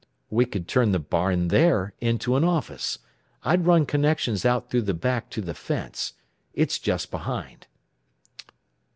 "We could turn the barn there into an office. I'd run connections out through the back to the fence. It's just behind."